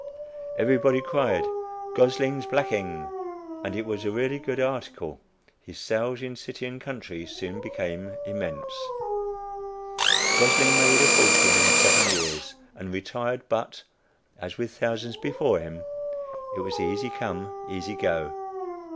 Everybody tried "Gosling's Blacking;" and as it was a really good article, his sales in city and country soon became immense; Gosling made a fortune in seven years, and retired but, as with thousands before him, it was "easy come easy go."